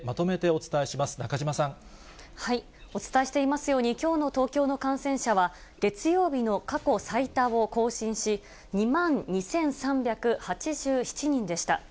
お伝えしていますように、きょうの東京の感染者は、月曜日の過去最多を更新し、２万２３８７人でした。